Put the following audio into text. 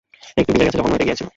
একটু ভিজে গেছে যখন নদীতে গিয়েছিলে।